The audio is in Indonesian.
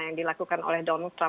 yang dilakukan oleh donald trump